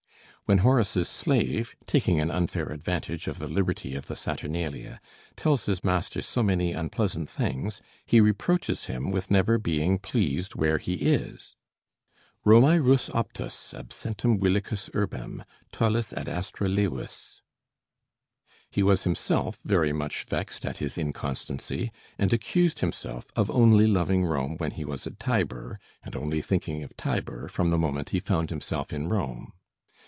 When Horace's slave, taking an unfair advantage of the liberty of the Saturnalia, tells his master so many unpleasant things, he reproaches him with never being pleased where he is: "Romæ rus optas, absentem villicus urbem Tollis ad astra levis?" He was himself very much vexed at his inconstancy, and accused himself of "only loving Rome when he was at Tibur, and only thinking of Tibur from the moment he found himself in Rome."